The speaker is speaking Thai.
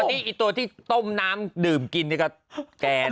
อีตัวที่ต้มน้ำดื่มกินก็แกน